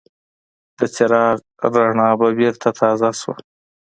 د څراغ رڼا به بېرته تازه شوه.